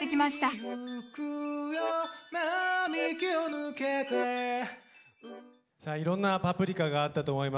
さあいろんな「パプリカ」があったと思いますけどもどうでしたか？